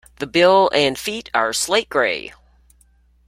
The bill and feet are slate grey.